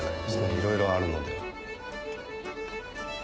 いろいろあるので。